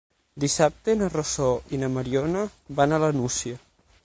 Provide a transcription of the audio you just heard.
Dissabte na Rosó i na Mariona van a la Nucia.